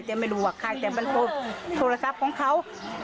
แต่ไม่รู้ว่าใครแต่มันโทรศัพท์ของเขา